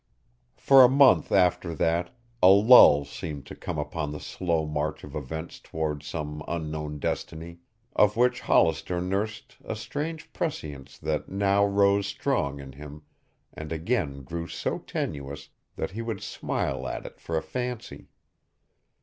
For a month after that a lull seemed to come upon the slow march of events towards some unknown destiny, of which Hollister nursed a strange prescience that now rose strong in him and again grew so tenuous that he would smile at it for a fancy.